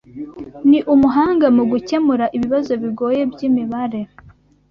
Ni umuhanga mu gukemura ibibazo bigoye byimibare.